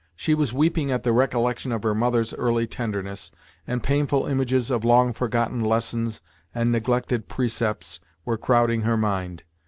She was weeping at the recollection of her mother's early tenderness, and painful images of long forgotten lessons and neglected precepts were crowding her mind.